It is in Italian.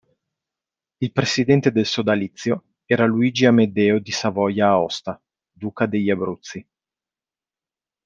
Il presidente del sodalizio era Luigi Amedeo di Savoia-Aosta, Duca degli Abruzzi.